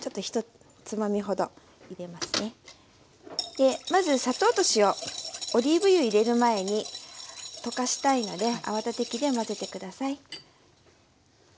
でまず砂糖と塩オリーブ油入れる前に溶かしたいので泡立て器で混ぜて下さい。